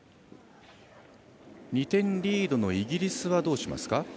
２点リードのイギリスはどうしますか。